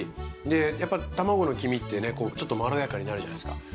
でやっぱ卵の黄身ってねこうちょっとまろやかになるじゃないですか。